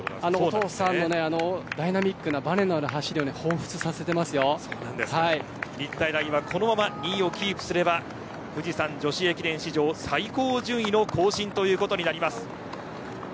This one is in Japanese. お父さんのダイナミックなばねのある走りを日体大がこのまま２位をキープすれば富士山女子駅伝史上最高順位の更新になります。